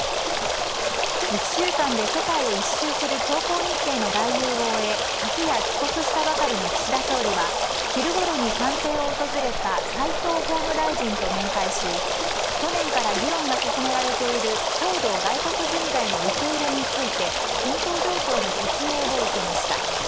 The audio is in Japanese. １週間で世界を１周する強行日程の外遊を終え昨夜帰国したばかりの岸田総理は昼ごろに官邸を訪れた斎藤法務大臣と面会し去年から議論が進められている高度外国人材の受け入れについて検討状況の説明を受けました。